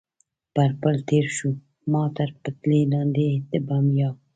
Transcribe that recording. پر پل تېر شو، ما تر پټلۍ لاندې د بم یا.